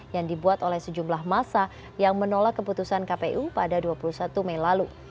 yang dibuat oleh sejumlah masa yang menolak keputusan kpu pada dua puluh satu mei lalu